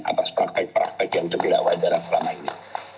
atas praktek praktek yang tidak wajar yang selama ini